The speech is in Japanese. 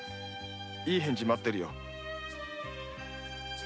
いい返事待ってるよ。